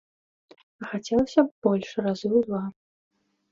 А хацелася б больш разы ў два.